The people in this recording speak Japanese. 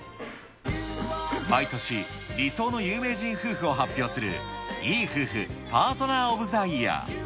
毎年、理想の有名人夫婦を発表するいい夫婦パートナー・オブ・ザ・イヤー。